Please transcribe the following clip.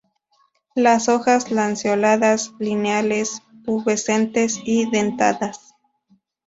Las hojas lanceoladas, lineales, pubescentes y dentadas.